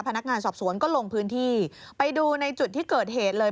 พนักงานสอบสวนก็ลงพื้นที่ไปดูในจุดที่เกิดเหตุเลย